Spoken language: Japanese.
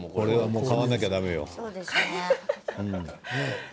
買わなきゃだめよ。